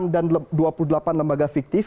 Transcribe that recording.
enam dan dua puluh delapan lembaga fiktif